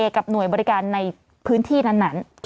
กับหน่วยบริการในพื้นที่นั้น